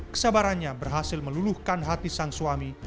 kesabarannya berhasil meluluhkan hati sang suami